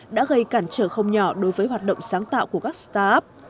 đã gây cản trở không nhỏ đối với hoạt động sáng tạo của các start up